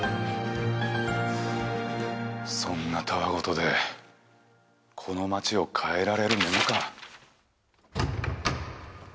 そんなたわ言でこの街を変えられるものか。